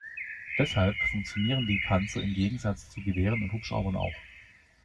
Deshalb funktionieren die Panzer im Gegensatz zu Gewehren und Hubschraubern auch.